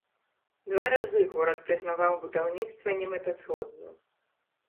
Два разы горад прызнаваў будаўніцтва немэтазгодным.